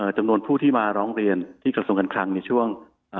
จำนวนผู้ที่มาร้องเรียนที่กระทรวงการคลังในช่วง